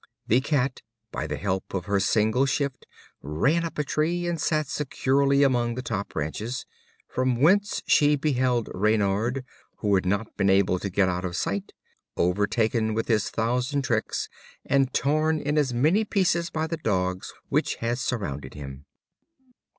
The Cat, by the help of her single shift, ran up a tree, and sat securely among the top branches; from whence she beheld Reynard, who had not been able to get out of sight, overtaken with his thousand tricks, and torn in as many pieces by the dogs which had surrounded him.